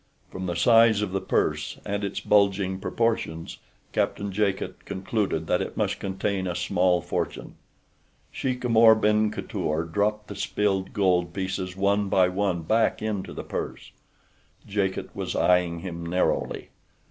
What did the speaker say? From the size of the purse and its bulging proportions Captain Jacot concluded that it must contain a small fortune. Sheik Amor ben Khatour dropped the spilled gold pieces one by one back into the purse. Jacot was eyeing him narrowly.